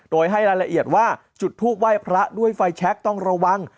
โดยให้รายละเอียดว่าจุดทูปไหว้พระด้วยไฟแชคต้องระวัง